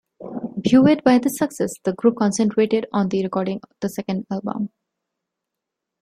Buoyed by this success, the group concentrated on recording the second album.